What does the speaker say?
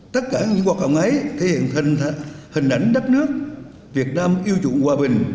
tất cả những hoạt động ấy thể hiện hình ảnh đất nước việt nam yêu trụng hòa bình